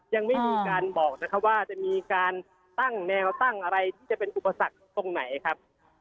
ยังไม่มีการบอกนะครับว่าจะมีการตั้งแนวตั้งอะไรที่จะเป็นอุปสรรคตรงไหนครับ